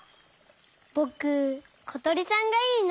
ぼくことりさんがいいな。